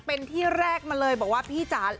เป็นที่แรกมาเลยบอกว่าพี่จ๋า